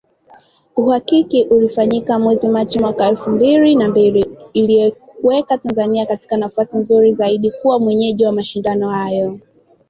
Uhakiki ulifanyika mwezi Machi mwaka elfu mbili na mbili uliiweka Tanzania katika nafasi nzuri zaidi kuwa mwenyeji wa mashindano hayo.